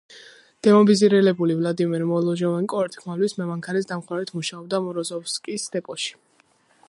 დემობილიზებული ვლადიმერ მოლოჟავენკო ორთქლმავლის მემანქანის დამხმარედ მუშაობდა მოროზოვსკის დეპოში.